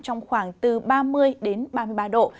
trong khoảng từ ba mươi ba mươi ba độ